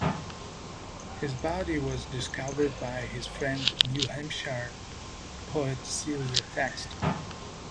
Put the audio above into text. His body was discovered by his friend New Hampshire poet Celia Thaxter.